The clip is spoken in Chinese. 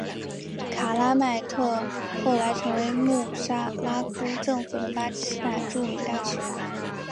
卡拉麦特后来成为穆沙拉夫政府的巴基斯坦驻美大使。